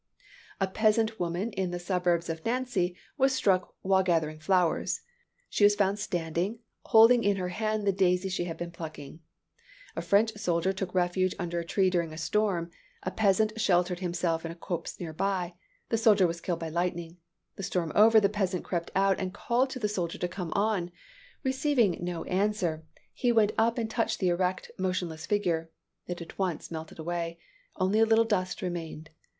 A peasant woman in the suburbs of Nancy was struck while gathering flowers. She was found standing, holding in her hand the daisy she had been plucking. A French soldier took refuge under a tree during a storm; a peasant sheltered himself in a copse near by. The soldier was killed by lightning. The storm over, the peasant crept out and called to the soldier to come on. Receiving no answer, he [Illustration: HARVESTERS KILLED BY LIGHTNING.] went up and touched the erect, motionless figure. It at once melted away. Only a little dust remained.